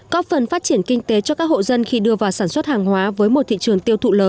có phần phát triển kinh tế cho các hộ dân khi đưa vào sản xuất hàng hóa với một thị trường tiêu thụ lớn